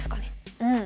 うん。